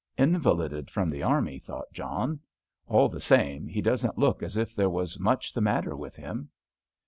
"Invalided from the army," thought John. "All the same, he doesn't look as if there was much the matter with him."